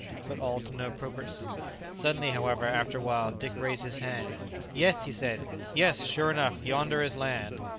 But all to no purpose. Suddenly, however, after a while, Dick raised his hand. "Yes!" he said; "yes; sure enough, yonder is land."